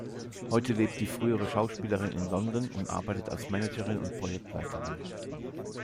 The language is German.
Heute lebt die frühere Schauspielerin in London und arbeitet als Managerin und Projektleiterin.